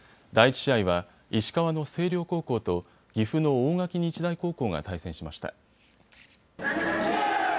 第１試合は石川の星稜高校と岐阜の大垣日大高校が対戦しました。